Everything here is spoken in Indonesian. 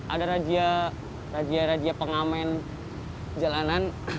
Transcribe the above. ada raja raja pengamen jalanan